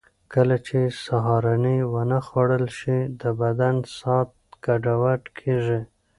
کله چې سهارنۍ ونه خورل شي، د بدن ساعت ګډوډ کېږي.